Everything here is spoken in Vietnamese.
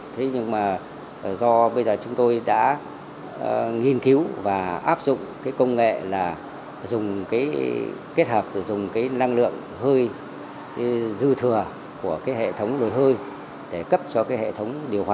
thế nhưng mà do bây giờ chúng tôi đã nghiên cứu và áp dụng cái công nghệ là dùng cái kết hợp rồi dùng cái năng lượng hơi dư thừa của cái hệ thống nồi hơi để cấp cho cái hệ thống điều hòa